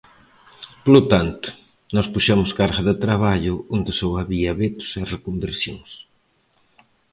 Polo tanto, nós puxemos carga de traballo onde só había vetos e reconversións.